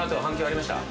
ありました。